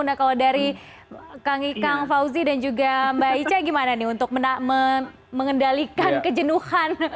nah kalau dari kang ikang fauzi dan juga mbak ica gimana nih untuk mengendalikan kejenuhan